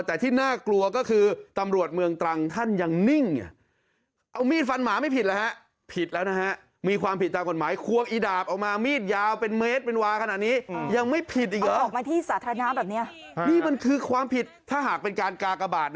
แล้วก็เหมือนแบบจะทำร้ายตลอดเวลาเลยอะค่ะ